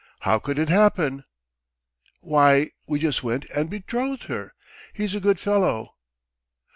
How could it happen?" "Why, we just went and betrothed her. He's a good fellow."